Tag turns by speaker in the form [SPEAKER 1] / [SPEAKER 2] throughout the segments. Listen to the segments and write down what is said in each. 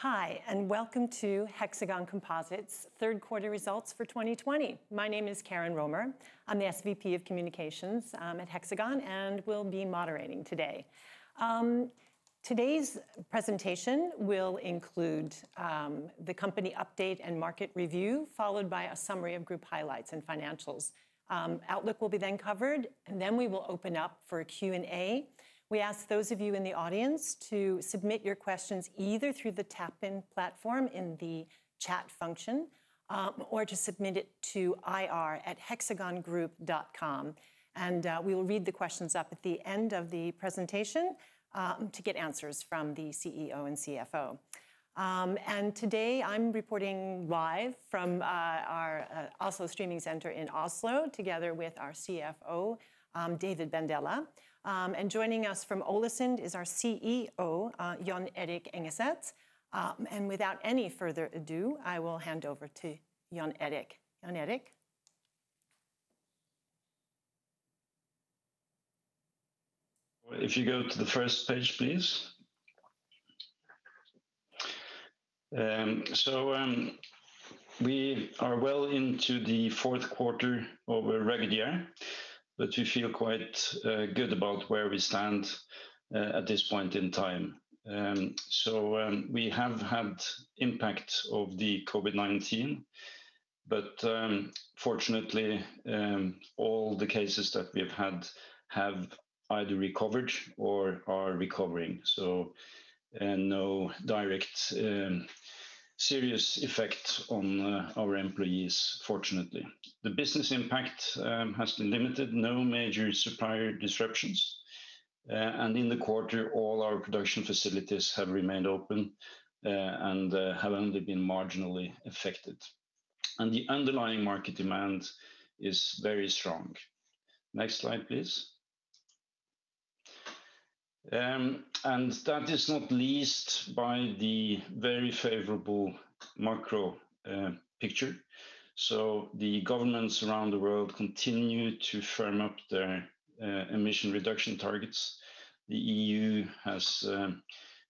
[SPEAKER 1] Hi, welcome to Hexagon Composites third quarter results for 2020. My name is Karen Romer. I'm the SVP of communications at Hexagon and will be moderating today. Today's presentation will include the company update and market review, followed by a summary of group highlights and financials. Outlook will be then covered, then we will open up for a Q&A. We ask those of you in the audience to submit your questions either through the TapIn platform in the chat function, or to submit it to ir@hexagongroup.com, we will read the questions up at the end of the presentation to get answers from the CEO and CFO. Today I'm reporting live from our Oslo streaming center in Oslo together with our CFO, David Bandele. Joining us from Ålesund is our CEO, Jon Erik Engeset. Without any further ado, I will hand over to Jon Erik. Jon Erik?
[SPEAKER 2] If you go to the first page, please. We are well into the fourth quarter of a rugged year, but we feel quite good about where we stand at this point in time. We have had impact of the COVID-19, but fortunately all the cases that we've had have either recovered or are recovering, so no direct serious effect on our employees, fortunately. The business impact has been limited, no major supplier disruptions. In the quarter, all our production facilities have remained open and have only been marginally affected. The underlying market demand is very strong. Next slide, please. That is not least by the very favorable macro picture. The governments around the world continue to firm up their emission reduction targets. The EU has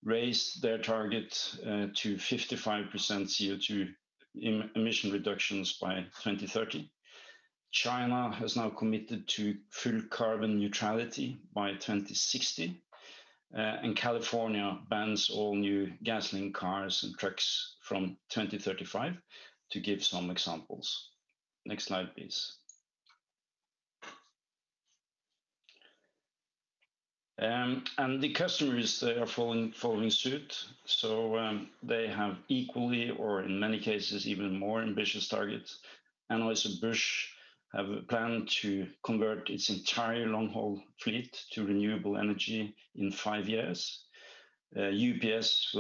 [SPEAKER 2] raised their target to 55% CO2 emission reductions by 2030. China has now committed to full carbon neutrality by 2060. California bans all new gasoline cars and trucks from 2035, to give some examples. Next slide, please. The customers, they are following suit. They have equally, or in many cases, even more ambitious targets. Anheuser-Busch have a plan to convert its entire long-haul fleet to renewable energy in five years. UPS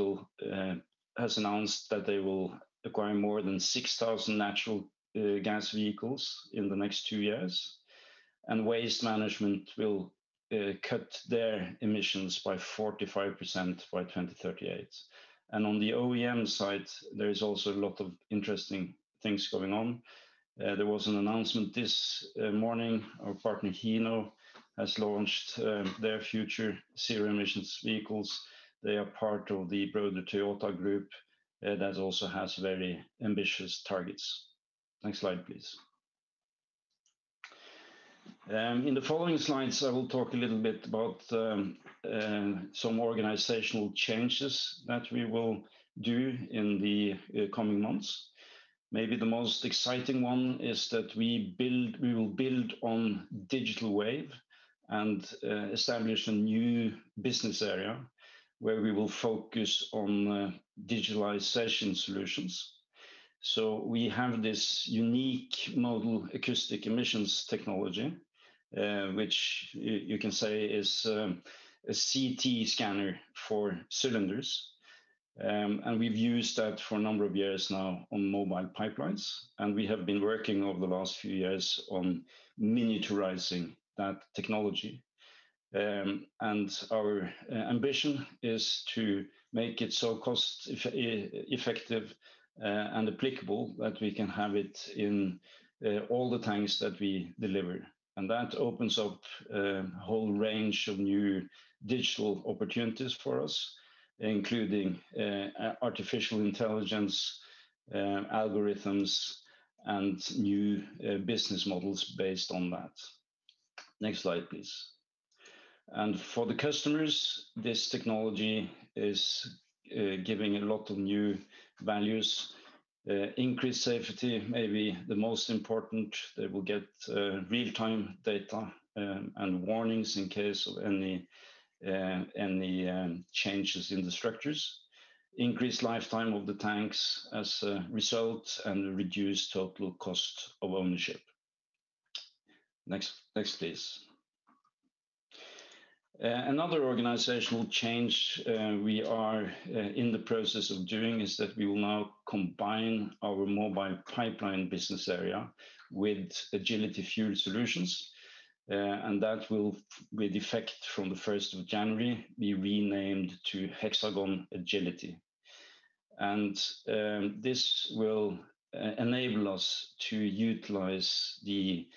[SPEAKER 2] has announced that they will acquire more than 6,000 natural gas vehicles in the next two years, and Waste Management will cut their emissions by 45% by 2038. On the OEM side, there is also a lot of interesting things going on. There was an announcement this morning. Our partner, Hino, has launched their future zero emissions vehicles. They are part of the broader Toyota Group that also has very ambitious targets. Next slide, please. In the following slides, I will talk a little bit about some organizational changes that we will do in the coming months. Maybe the most exciting one is that we will build on Digital Wave and establish a new business area where we will focus on digitalization solutions. We have this unique Modal Acoustic Emission technology, which you can say is a CT scanner for cylinders. We've used that for a number of years now on Mobile Pipeline, and we have been working over the last few years on miniaturizing that technology. Our ambition is to make it so cost-effective and applicable that we can have it in all the tanks that we deliver. That opens up a whole range of new digital opportunities for us, including artificial intelligence, algorithms, and new business models based on that. Next slide, please. For the customers, this technology is giving a lot of new values. Increased safety, maybe the most important. They will get real-time data and warnings in case of any changes in the structures. Increased lifetime of the tanks as a result, and reduced total cost of ownership. Next, please. Another organizational change we are in the process of doing is that we will now combine our Mobile Pipeline business area with Agility Fuel Solutions. That will, with effect from the 1st of January, be renamed to Hexagon Agility. This will enable us to utilize the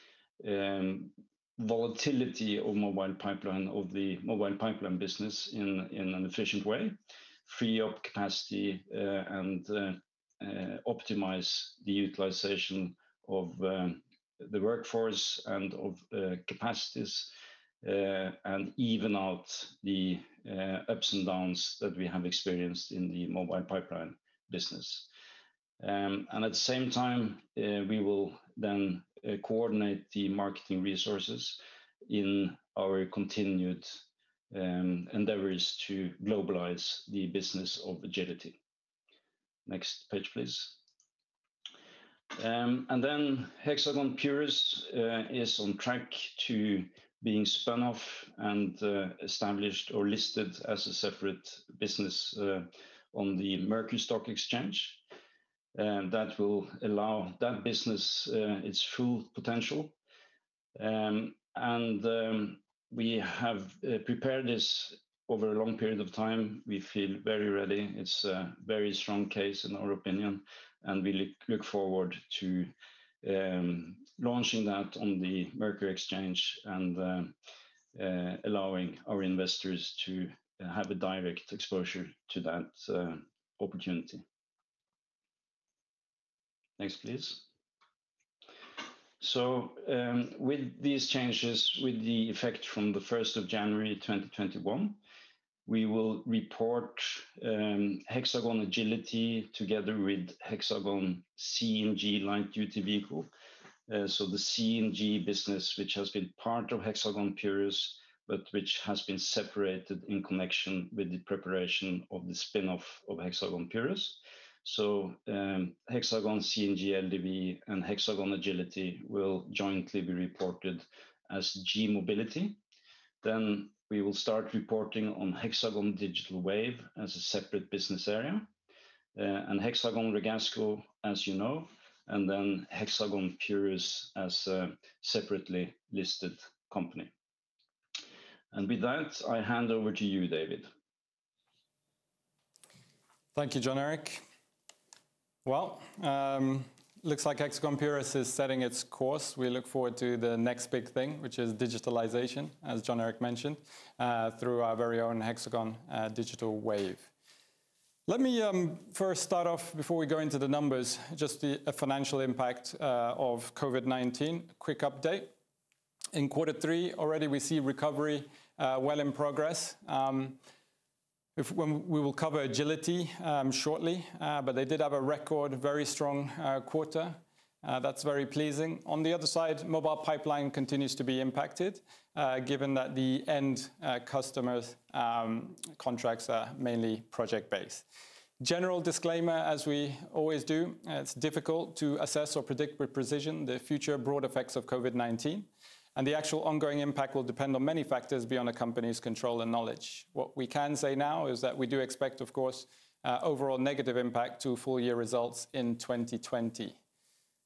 [SPEAKER 2] volatility of the Mobile Pipeline business in an efficient way, free up capacity, and optimize the utilization of the workforce and of capacities, and even out the ups and downs that we have experienced in the Mobile Pipeline business. At the same time, we will then coordinate the marketing resources in our continued endeavors to globalize the business of Agility. Next page, please. Hexagon Purus is on track to being spun off and established or listed as a separate business on the Merkur Stock Exchange. That will allow that business its full potential. We have prepared this over a long period of time. We feel very ready. It's a very strong case in our opinion, and we look forward to launching that on the Merkur Exchange and allowing our investors to have a direct exposure to that opportunity. Next, please. With these changes, with the effect from the 1st of January 2021, we will report Hexagon Agility together with Hexagon CNG Light-Duty Vehicle. The CNG business, which has been part of Hexagon Purus, but which has been separated in connection with the preparation of the spin-off of Hexagon Purus. Hexagon CNG LDV and Hexagon Agility will jointly be reported as g-mobility. We will start reporting on Hexagon Digital Wave as a separate business area, and Hexagon Ragasco, as you know, and Hexagon Purus as a separately listed company. With that, I hand over to you, David.
[SPEAKER 3] Thank you, Jon Erik. Looks like Hexagon Purus is setting its course. We look forward to the next big thing, which is digitalization, as Jon Erik mentioned, through our very own Hexagon Digital Wave. Let me first start off before we go into the numbers, just a financial impact of COVID-19. Quick update. In quarter three already we see recovery well in progress. We will cover Agility shortly, they did have a record very strong quarter. That's very pleasing. On the other side, Mobile Pipeline continues to be impacted, given that the end customers' contracts are mainly project-based. General disclaimer, as we always do, it's difficult to assess or predict with precision the future broad effects of COVID-19, the actual ongoing impact will depend on many factors beyond a company's control and knowledge. What we can say now is that we do expect, of course, overall negative impact to full-year results in 2020.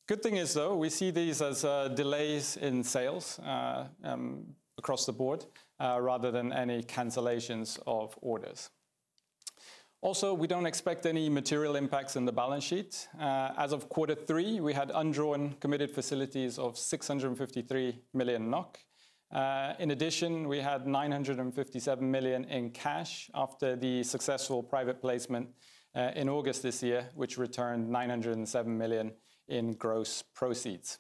[SPEAKER 3] Good thing is, though, we see these as delays in sales across the board rather than any cancellations of orders. We don't expect any material impacts on the balance sheet. As of quarter three, we had undrawn committed facilities of 653 million NOK. We had 957 million in cash after the successful private placement in August this year, which returned 907 million in gross proceeds.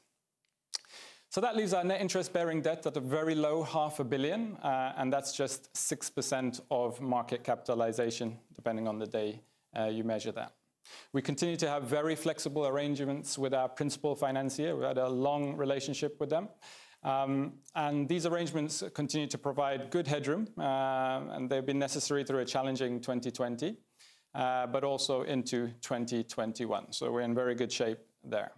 [SPEAKER 3] That leaves our net interest-bearing debt at a very low 500 million, and that's just 6% of market capitalization, depending on the day you measure that. We continue to have very flexible arrangements with our principal financier. We've had a long relationship with them. These arrangements continue to provide good headroom, and they've been necessary through a challenging 2020, but also into 2021. We're in very good shape there.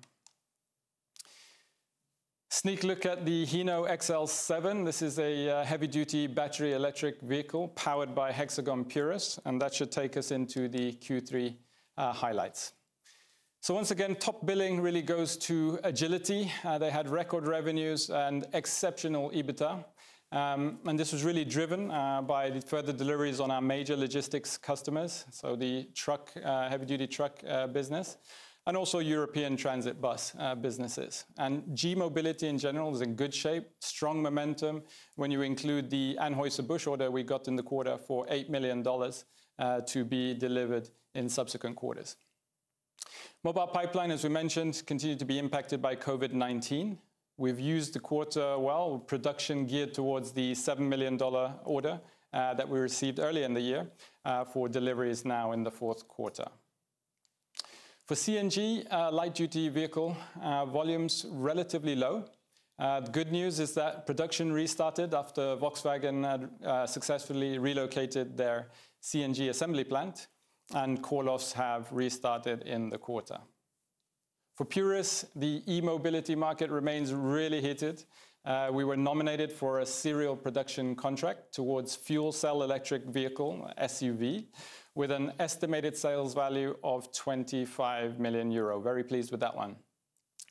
[SPEAKER 3] Sneak look at the Hino XL7. This is a heavy-duty battery electric vehicle powered by Hexagon Purus, and that should take us into the Q3 highlights. Once again, top billing really goes to Agility. They had record revenues and exceptional EBITDA. This was really driven by the further deliveries on our major logistics customers, so the heavy-duty truck business, and also European transit bus businesses. g-mobility, in general, is in good shape, strong momentum when you include the Anheuser-Busch order we got in the quarter for $8 million to be delivered in subsequent quarters. Mobile Pipeline, as we mentioned, continued to be impacted by COVID-19. We've used the quarter well, production geared towards the $7 million order that we received earlier in the year for deliveries now in the fourth quarter. For CNG Light-Duty Vehicle, volumes relatively low. The good news is that production restarted after Volkswagen had successfully relocated their CNG assembly plant, and call-offs have restarted in the quarter. For Purus, the e-mobility market remains really heated. We were nominated for a serial production contract towards fuel cell electric vehicle, SUV, with an estimated sales value of 25 million euro. Very pleased with that one.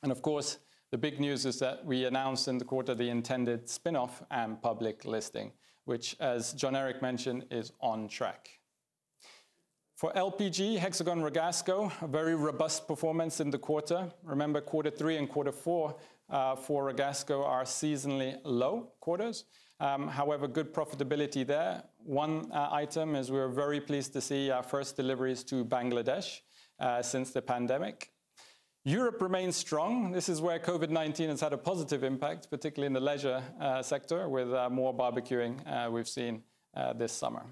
[SPEAKER 3] Of course, the big news is that we announced in the quarter the intended spinoff and public listing, which, as Jon Erik mentioned, is on track. For LPG, Hexagon Ragasco, a very robust performance in the quarter. Remember, quarter three and quarter four for Purus are seasonally low quarters. However, good profitability there. One item is we were very pleased to see our first deliveries to Bangladesh since the pandemic. Europe remains strong. This is where COVID-19 has had a positive impact, particularly in the leisure sector with more barbecuing we've seen this summer.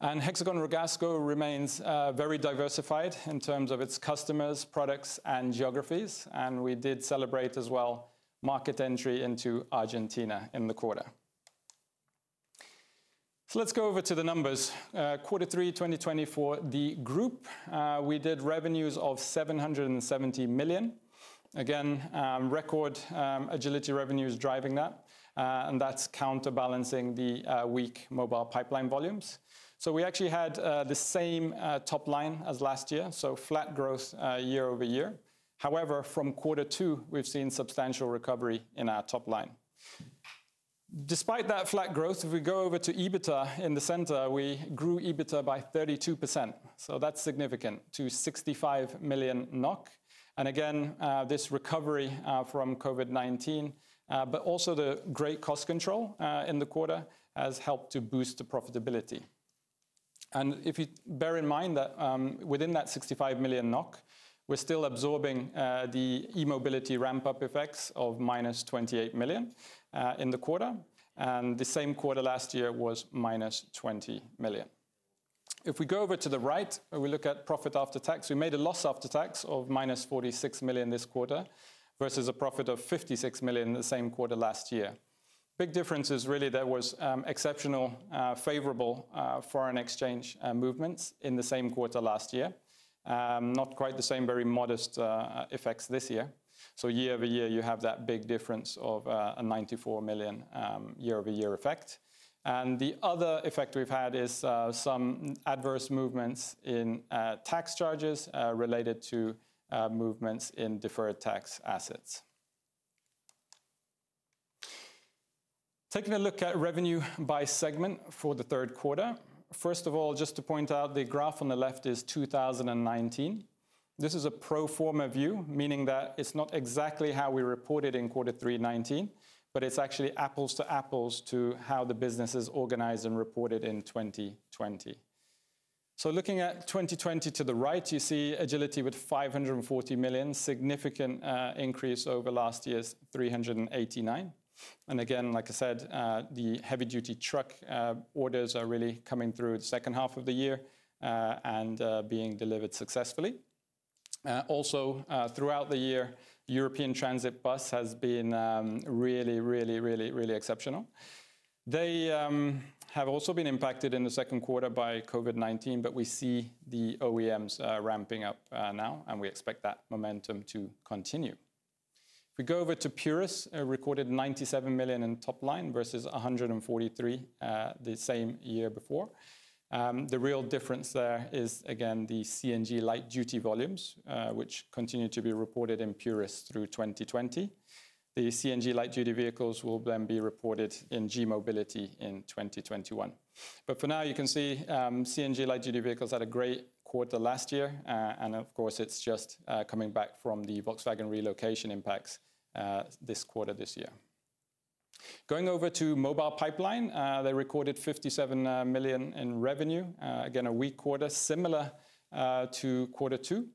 [SPEAKER 3] Hexagon Purus remains very diversified in terms of its customers, products, and geographies, and we did celebrate as well market entry into Argentina in the quarter. Let's go over to the numbers. Quarter three 2020 for the group, we did revenues of 770 million. Again, record Agility revenues driving that, and that's counterbalancing the weak Mobile Pipeline volumes. We actually had the same top line as last year, so flat growth year-over-year. However, from quarter two, we've seen substantial recovery in our top line. Despite that flat growth, if we go over to EBITDA in the center, we grew EBITDA by 32%, so that's significant, to 65 million NOK. Again, this recovery from COVID-19, but also the great cost control in the quarter has helped to boost the profitability. If you bear in mind that within that 65 million NOK, we're still absorbing the e-mobility ramp-up effects of -28 million in the quarter, and the same quarter last year was -20 million. If we go over to the right and we look at profit after tax, we made a loss after tax of -46 million this quarter versus a profit of 56 million the same quarter last year. Big difference is really there was exceptional favorable foreign exchange movements in the same quarter last year. Not quite the same, very modest effects this year. Year-over-year, you have that big difference of a 94 million year-over-year effect. The other effect we've had is some adverse movements in tax charges related to movements in deferred tax assets. Taking a look at revenue by segment for the third quarter. First of all, just to point out, the graph on the left is 2019. This is a pro forma view, meaning that it's not exactly how we reported in quarter three 2019, but it's actually apples to apples to how the business is organized and reported in 2020. Looking at 2020 to the right, you see Agility with 540 million, significant increase over last year's 389 million. Again, like I said, the heavy-duty truck orders are really coming through the second half of the year and being delivered successfully. Also, throughout the year, European Transit bus has been really exceptional. They have also been impacted in the second quarter by COVID-19, but we see the OEMs ramping up now, and we expect that momentum to continue. If we go over to Purus, recorded 97 million in top line versus 143 the same year before. The real difference there is, again, the CNG light-duty volumes, which continue to be reported in Purus through 2020. The CNG light-duty vehicles will be reported in g-mobility in 2021. For now, you can see CNG light-duty vehicles had a great quarter last year, and of course, it's just coming back from the Volkswagen relocation impacts this quarter this year. Going over to Mobile Pipeline, they recorded 57 million in revenue. Again, a weak quarter similar to quarter two.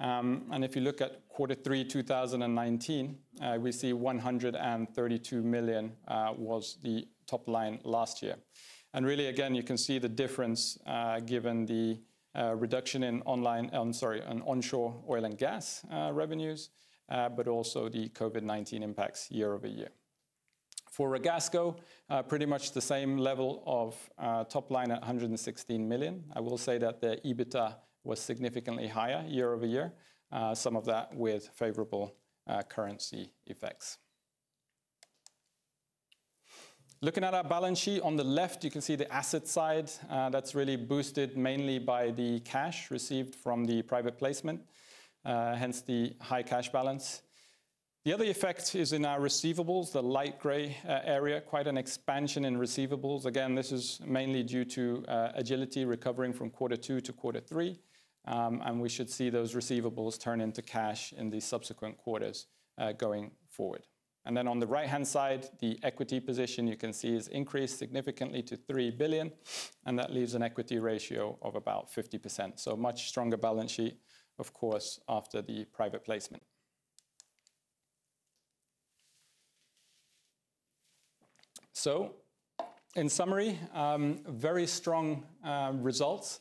[SPEAKER 3] If you look at quarter three 2019, we see 132 million was the top line last year. Really, again, you can see the difference given the reduction in onshore oil and gas revenues, but also the COVID-19 impacts year-over-year. For Purus, pretty much the same level of top line at 116 million. I will say that their EBITDA was significantly higher year-over-year, some of that with favorable currency effects. Looking at our balance sheet on the left, you can see the asset side. That's really boosted mainly by the cash received from the private placement, hence the high cash balance. The other effect is in our receivables, the light gray area, quite an expansion in receivables. Again, this is mainly due to Agility recovering from quarter two to quarter three, and we should see those receivables turn into cash in the subsequent quarters going forward. On the right-hand side, the equity position you can see has increased significantly to 3 billion, and that leaves an equity ratio of about 50%. Much stronger balance sheet, of course, after the private placement. In summary, very strong results,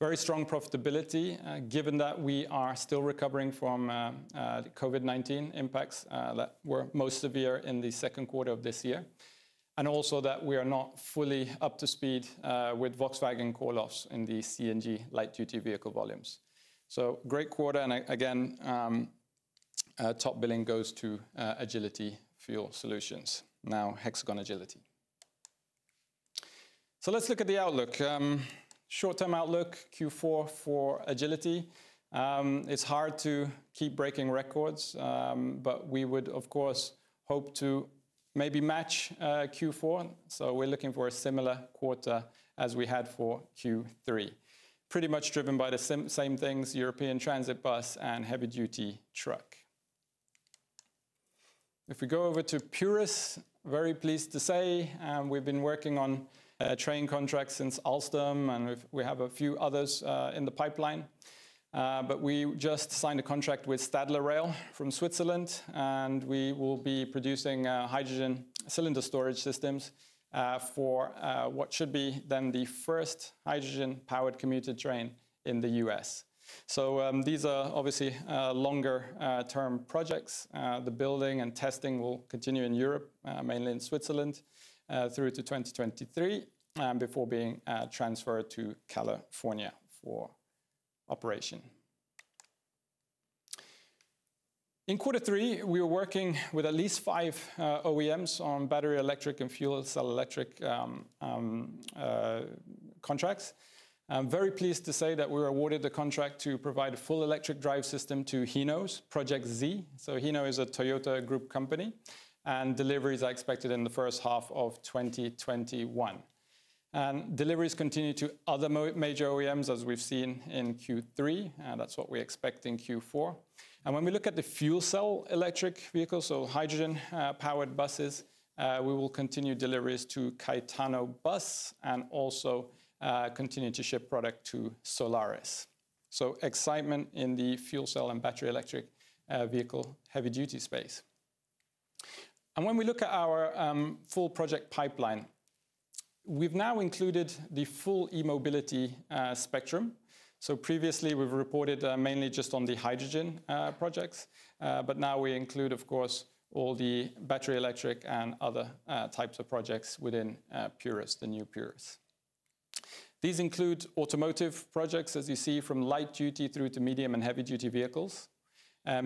[SPEAKER 3] very strong profitability, given that we are still recovering from COVID-19 impacts that were most severe in the second quarter of this year, and also that we are not fully up to speed with Volkswagen call-offs in the CNG Light-Duty Vehicle volumes. Great quarter, and again, top billing goes to Agility Fuel Solutions, now Hexagon Agility. Let's look at the outlook. Short-term outlook, Q4 for Agility. It's hard to keep breaking records, but we would, of course, hope to maybe match Q4. We're looking for a similar quarter as we had for Q3. Pretty much driven by the same things, European transit bus and heavy-duty truck. We go over to Purus, very pleased to say we've been working on train contracts since Alstom, we have a few others in the pipeline. We just signed a contract with Stadler Rail from Switzerland, we will be producing hydrogen cylinder storage systems for what should be then the first hydrogen-powered commuter train in the U.S. These are obviously longer-term projects. The building and testing will continue in Europe, mainly in Switzerland, through to 2023, before being transferred to California for operation. In quarter three, we are working with at least five OEMs on battery electric and fuel cell electric contracts. I'm very pleased to say that we were awarded a contract to provide a full electric drive system to Hino's Project Z. Hino is a Toyota Group company, and deliveries are expected in the first half of 2021. Deliveries continue to other major OEMs, as we've seen in Q3. That's what we expect in Q4. When we look at the fuel cell electric vehicles, so hydrogen-powered buses, we will continue deliveries to CaetanoBus and also continue to ship product to Solaris. Excitement in the fuel cell and battery electric vehicle heavy-duty space. When we look at our full project pipeline, we've now included the full e-mobility spectrum. Previously we've reported mainly just on the hydrogen projects. Now we include, of course, all the battery electric and other types of projects within the new Purus. These include automotive projects, as you see, from light-duty through to medium and heavy-duty vehicles,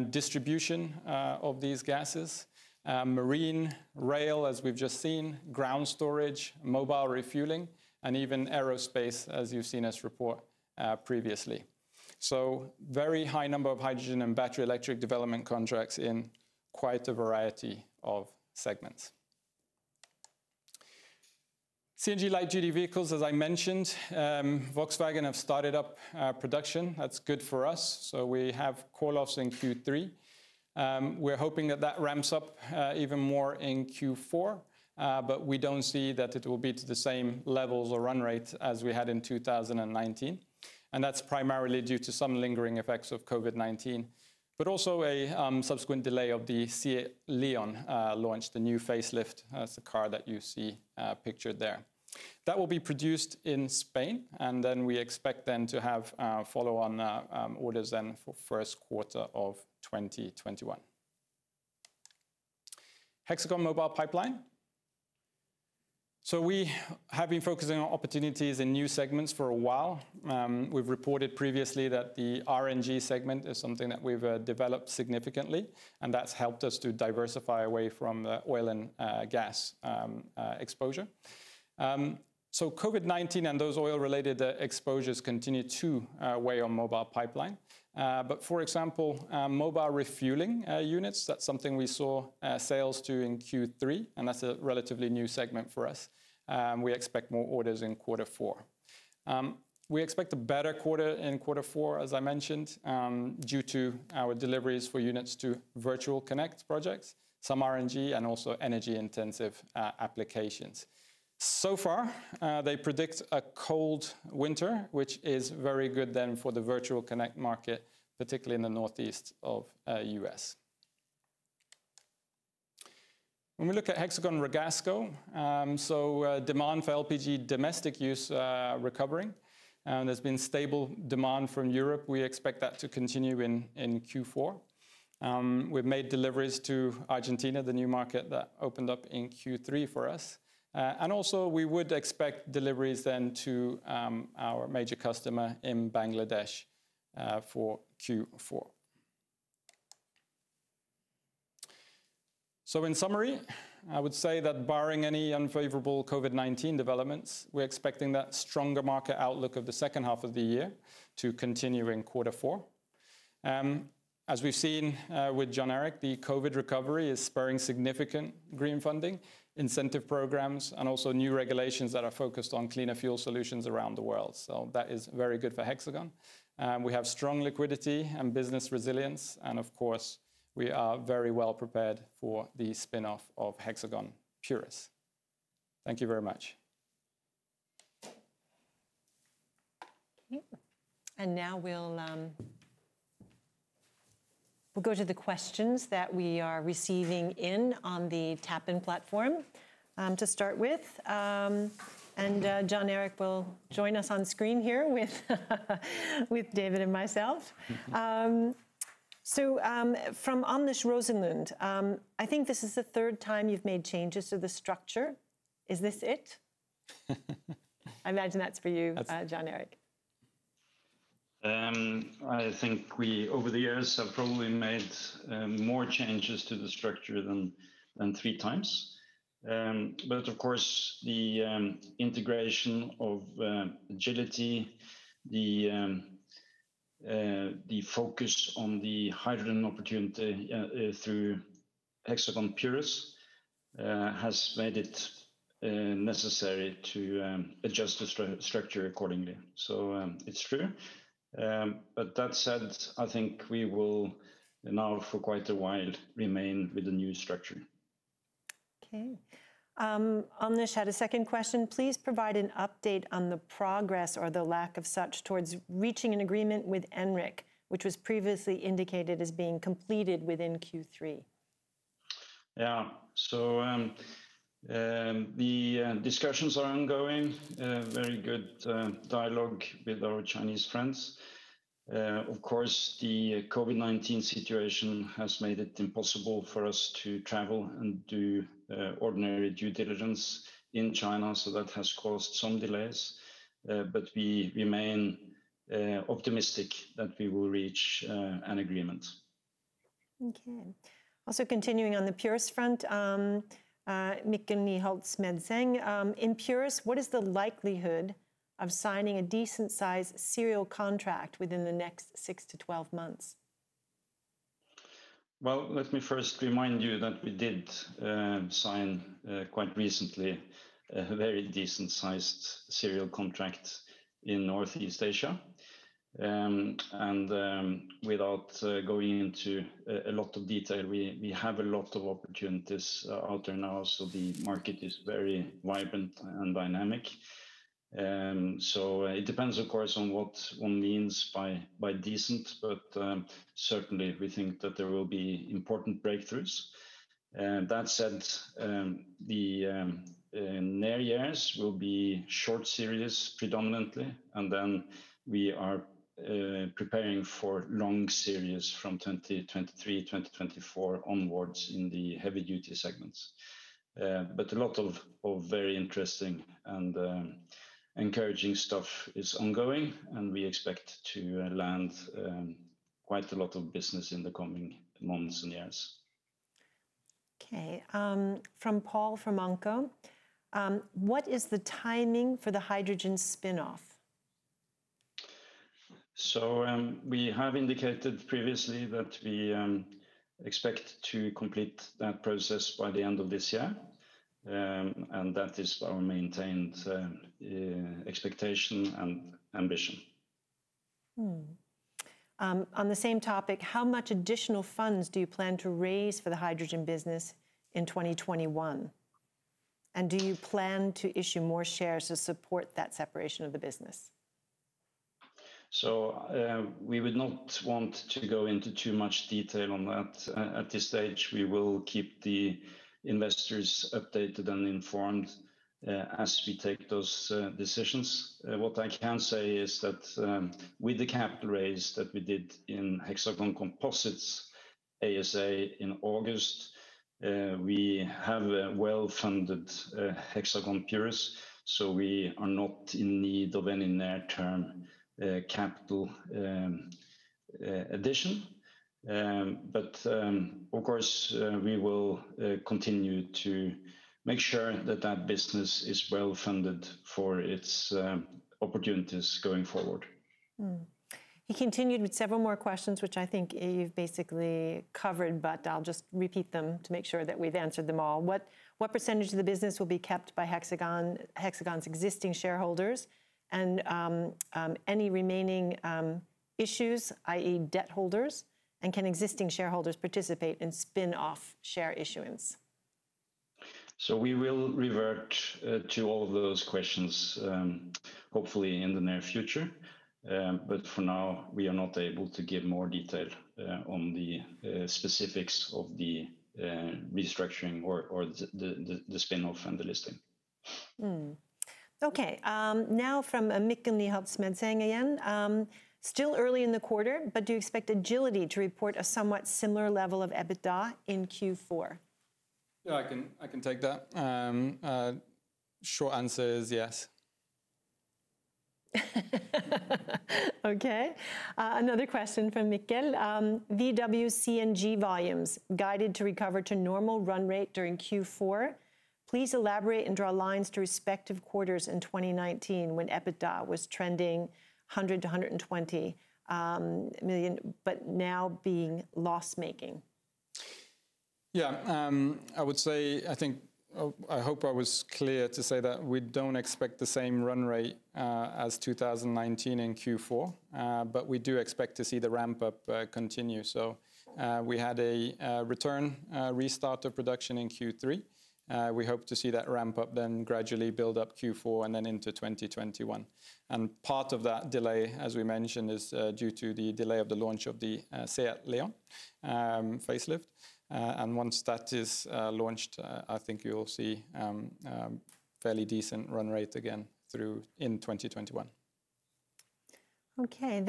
[SPEAKER 3] distribution of these gases, marine, rail, as we've just seen, ground storage, mobile refueling, and even aerospace, as you've seen us report previously. A very high number of hydrogen and battery electric development contracts in quite a variety of segments. CNG light-duty vehicles, as I mentioned, Volkswagen have started up production. That's good for us. We have call-offs in Q3. We're hoping that that ramps up even more in Q4. We don't see that it will be to the same levels or run rate as we had in 2019, and that's primarily due to some lingering effects of COVID-19, but also a subsequent delay of the SEAT Leon launch, the new facelift. That's the car that you see pictured there. That will be produced in Spain. We expect to have follow-on orders for the first quarter of 2021. Hexagon Mobile Pipeline. We have been focusing on opportunities in new segments for a while. We've reported previously that the RNG segment is something that we've developed significantly, and that's helped us to diversify away from oil and gas exposure. COVID-19 and those oil-related exposures continue to weigh on Mobile Pipeline. For example, mobile refueling units, that's something we saw sales to in Q3, and that's a relatively new segment for us. We expect more orders in quarter four. We expect a better quarter in quarter four, as I mentioned, due to our deliveries for units to virtual pipeline projects, some RNG, and also energy-intensive applications. So far, they predict a cold winter, which is very good then for the virtual pipeline market, particularly in the northeast of the U.S. When we look at Hexagon Ragasco, so demand for LPG domestic use recovering. There's been stable demand from Europe. We expect that to continue in Q4. We've made deliveries to Argentina, the new market that opened up in Q3 for us. Also we would expect deliveries then to our major customer in Bangladesh for Q4. In summary, I would say that barring any unfavorable COVID-19 developments, we're expecting that stronger market outlook of the second half of the year to continue in quarter four. As we've seen with Jon Erik, the COVID recovery is spurring significant green funding, incentive programs, and also new regulations that are focused on cleaner fuel solutions around the world. That is very good for Hexagon. We have strong liquidity and business resilience, and of course, we are very well prepared for the spinoff of Hexagon Purus. Thank you very much.
[SPEAKER 1] Okay. Now we'll go to the questions that we are receiving in on the TapIn platform to start with. Jon Erik will join us on screen here with David and myself. From Anders Rosenlund, "I think this is the third time you've made changes to the structure. Is this it?" I imagine that's for you, Jon Erik.
[SPEAKER 2] I think we, over the years, have probably made more changes to the structure than three times. Of course, the integration of Agility, the focus on the hydrogen opportunity through Hexagon Purus, has made it necessary to adjust the structure accordingly. It's true. That said, I think we will now for quite a while remain with the new structure.
[SPEAKER 1] Okay. Amish had a second question. Please provide an update on the progress or the lack of such towards reaching an agreement with Enric, which was previously indicated as being completed within Q3.
[SPEAKER 2] Yeah. The discussions are ongoing. Very good dialogue with our Chinese friends. Of course, the COVID-19 situation has made it impossible for us to travel and do ordinary due diligence in China, so that has caused some delays. We remain optimistic that we will reach an agreement.
[SPEAKER 1] Okay. Also continuing on the Purus front, Mikkel Nyholt-Smedseng, in Purus, what is the likelihood of signing a decent size serial contract within the next 6-12 months?
[SPEAKER 2] Well, let me first remind you that we did sign quite recently a very decent sized serial contract in Northeast Asia. Without going into a lot of detail, we have a lot of opportunities out there now. The market is very vibrant and dynamic. It depends, of course, on what one means by decent, but certainly we think that there will be important breakthroughs. That said, the near years will be short series predominantly, and then we are preparing for long series from 2023, 2024 onwards in the heavy-duty segments. A lot of very interesting and encouraging stuff is ongoing, and we expect to land quite a lot of business in the coming months and years.
[SPEAKER 1] Okay. From Paul Fermonco, what is the timing for the hydrogen spinoff?
[SPEAKER 2] We have indicated previously that we expect to complete that process by the end of this year. That is our maintained expectation and ambition.
[SPEAKER 1] On the same topic, how much additional funds do you plan to raise for the hydrogen business in 2021? Do you plan to issue more shares to support that separation of the business?
[SPEAKER 2] We would not want to go into too much detail on that at this stage. We will keep the investors updated and informed as we take those decisions. What I can say is that with the capital raise that we did in Hexagon Composites ASA in August, we have a well-funded Hexagon Purus, so we are not in need of any near-term capital addition. Of course, we will continue to make sure that that business is well funded for its opportunities going forward.
[SPEAKER 1] He continued with several more questions, which I think you've basically covered. I'll just repeat them to make sure that we've answered them all. What percentage of the business will be kept by Hexagon's existing shareholders, and any remaining issues, i.e., debt holders? Can existing shareholders participate in spin-off share issuance?
[SPEAKER 2] We will revert to all those questions hopefully in the near future. For now, we are not able to give more detail on the specifics of the restructuring or the spin-off and the listing.
[SPEAKER 1] Okay. Now from Mikkel Nyholt-Smedseng again. Still early in the quarter, do you expect Agility to report a somewhat similar level of EBITDA in Q4?
[SPEAKER 3] Yeah, I can take that. Short answer is yes.
[SPEAKER 1] Okay. Another question from Mikkel. VW CNG volumes guided to recover to normal run rate during Q4. Please elaborate and draw lines to respective quarters in 2019 when EBITDA was trending 100 million-120 million, now being loss-making.
[SPEAKER 3] Yeah. I hope I was clear to say that we don't expect the same run rate as 2019 in Q4. We do expect to see the ramp-up continue, so we had a return restart of production in Q3. We hope to see that ramp up then gradually build up Q4 and then into 2021. Part of that delay, as we mentioned, is due to the delay of the launch of the SEAT Leon facelift. Once that is launched, I think you'll see fairly decent run rate again through in 2021.
[SPEAKER 1] Okay.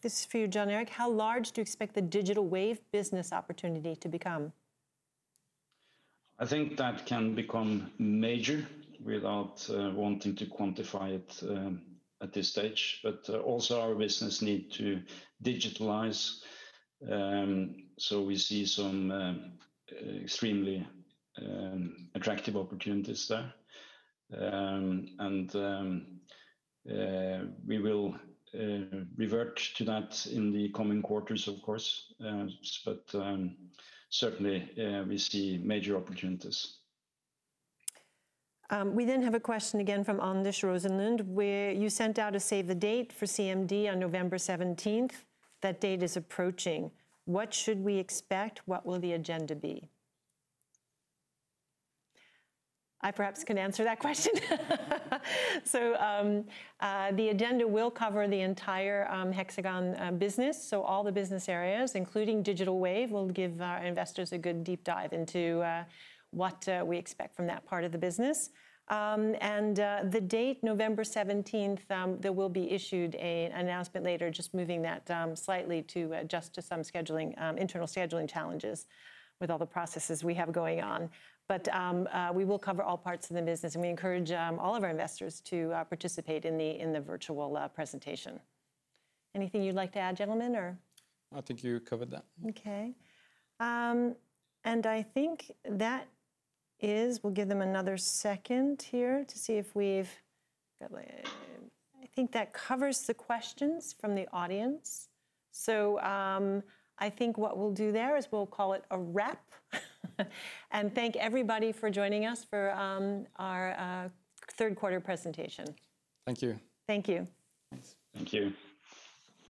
[SPEAKER 1] This is for you, Jon Erik. How large do you expect the Hexagon Digital Wave business opportunity to become?
[SPEAKER 2] I think that can become major without wanting to quantify it at this stage. Also our business need to digitalize. We see some extremely attractive opportunities there. We will revert to that in the coming quarters, of course, but certainly we see major opportunities.
[SPEAKER 1] We have a question again from Anders Rosenlund, where you sent out a save the date for CMD on November 17th. That date is approaching. What should we expect? What will the agenda be? I perhaps can answer that question. The agenda will cover the entire Hexagon business, all the business areas, including Digital Wave, will give our investors a good deep dive into what we expect from that part of the business. The date, November 17th, there will be issued an announcement later, just moving that slightly to adjust to some internal scheduling challenges with all the processes we have going on. We will cover all parts of the business, and we encourage all of our investors to participate in the virtual presentation. Anything you'd like to add, gentlemen?
[SPEAKER 3] I think you covered that.
[SPEAKER 1] Okay. We'll give them another second here to see if we've got. I think that covers the questions from the audience. I think what we'll do there is we'll call it a wrap and thank everybody for joining us for our third quarter presentation.
[SPEAKER 3] Thank you.
[SPEAKER 1] Thank you.
[SPEAKER 2] Thanks. Thank you.